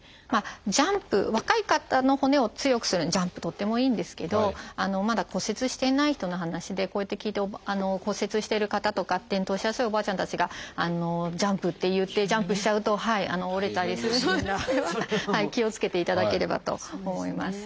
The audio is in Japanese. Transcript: ジャンプ若い方の骨を強くするのにジャンプとってもいいんですけどまだ骨折していない人の話でこうやって聞いて骨折してる方とか転倒しやすいおばあちゃんたちがジャンプっていってジャンプしちゃうと折れたりするので気をつけていただければと思います。